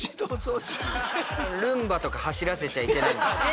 ルンバとか走らせちゃいけない。